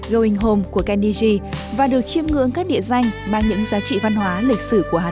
going home của kenny g và được chiêm ngưỡng các địa danh mang những giá trị văn hóa lịch sử của hà nội